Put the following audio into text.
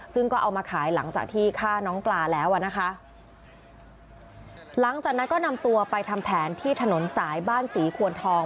ซึ่งก็เอามาขายหลังจากที่ฆ่าน้องปลาแล้วอ่ะนะคะหลังจากนั้นก็นำตัวไปทำแผนที่ถนนสายบ้านศรีควรทอง